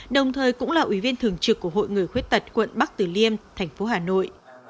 đồng thời cũng là ủy viên thường trực của hội người khuyết tật quận bắc tử liêm thành phố hà nội